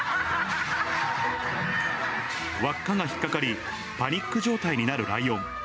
輪っかが引っ掛かり、パニック状態になるライオン。